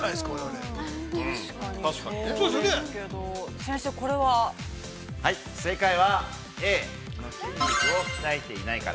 ◆先生、これは？◆正解はＡ、筋肉を鍛えていないから。